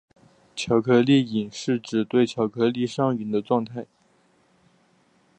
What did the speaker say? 巧克力瘾是指对巧克力上瘾的状态。